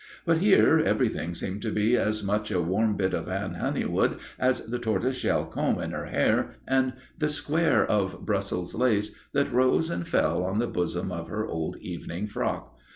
But here everything seemed to be as much a warm bit of Anne Honeywood as the tortoise shell comb in her hair and the square of Brussels lace that rose and fell on the bosom of her old evening frock.